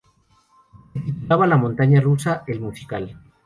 Se titulaba "La Montaña Rusa, El Musical".